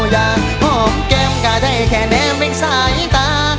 อยากหอมแก้มก็ได้แค่แนมเป็นสายตา